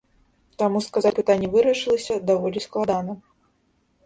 Таму сказаць, што пытанне вырашылася, даволі складана.